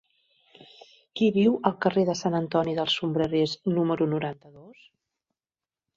Qui viu al carrer de Sant Antoni dels Sombrerers número noranta-dos?